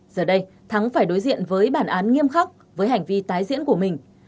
giờ đây thắng phải đối diện với bản án nghiêm khắc với hành vi tái diễn của mình